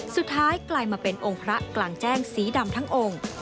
กลายมาเป็นองค์พระกลางแจ้งสีดำทั้งองค์